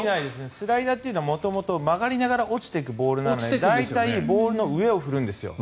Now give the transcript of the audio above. スライダーは元々曲がりながら落ちていくボールなので大体ボールの上を振るんですよ。